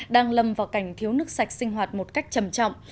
đang lầm vào cảnh thiếu nước sạch sinh hoạt một cách chầm trọng